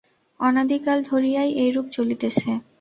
অনাদি কাল ধরিয়াই এইরূপ চলিতেছে।